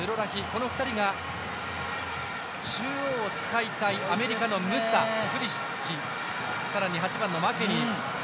この２人が、中央を使いたいアメリカのムサ、プリシッチさらに８番のマケニー。